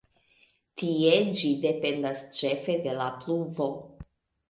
Tie ĝi dependas ĉefe de la pluvo.